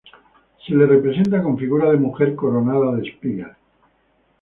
Se la representa con figura de mujer coronada de espigas.